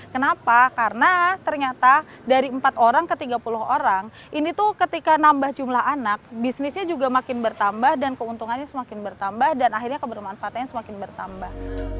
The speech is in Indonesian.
kenapa karena ternyata dari empat orang ke tiga puluh orang ini tuh ketika nambah jumlah anak bisnisnya juga makin bertambah dan keuntungannya semakin bertambah dan akhirnya kebermanfaatannya semakin bertambah